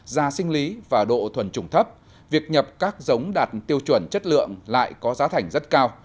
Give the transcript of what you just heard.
da sinh lý và độ thuần trùng thấp việc nhập các giống đạt tiêu chuẩn chất lượng lại có giá thành rất cao